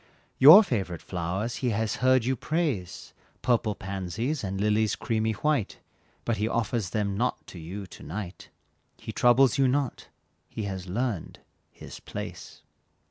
Your favorite flowers he has heard you praise, Purple pansies, and lilies creamy white; But he offers them not to you to night, He troubles you not, he has learned "his place."